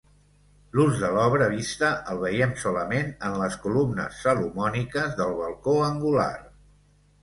L'ús de l'obra vista el veiem solament en les columnes salomòniques del balcó angular.